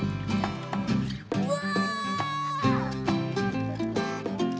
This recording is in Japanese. うわ！